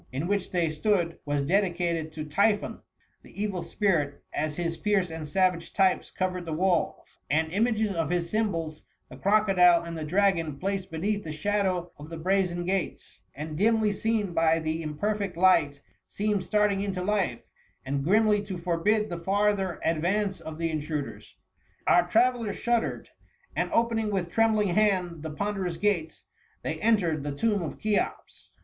In which they stood, was dedicated to Typhon, the evil spirit, as his fierce and savage types covered the walls ; and images of his symbols, the crocodile and the dragon, placed beneath the shadow of the brazen gates, and dimly seen by the imperfect light, seemed starting into life, and grimly to forbid the farther advance of the intruders. Our travellers shud dered, and opening with trembling hand the ponderous gates, they entered the tomb of Cheops.